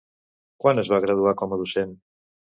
Quan es va graduar com a docent?